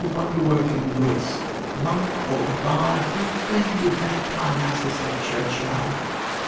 wonderworking Lewis! Monk or Bard, Who fain would make Parnassus a churchyard!